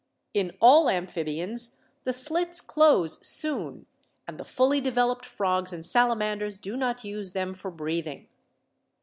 In all amphibians the slits close soon and the fully developed frogs and salamanders do not use them for breathing.